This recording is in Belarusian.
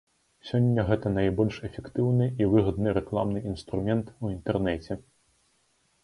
Сёння гэта найбольш эфектыўны і выгадны рэкламны інструмент у інтэрнэце.